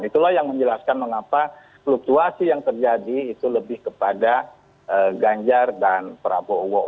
itulah yang menjelaskan mengapa fluktuasi yang terjadi itu lebih kepada ganjar dan prabowo